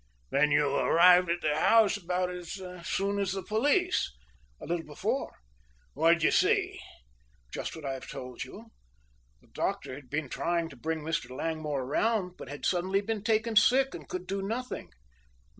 "Then you arrived at the house about as soon as the police?" "A little before." "What did you see?" "Just what I have told you. The doctor had been trying to bring Mr. Langmore around but had suddenly been taken sick and could do nothing."